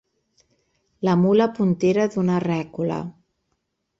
La mula puntera d'una rècula.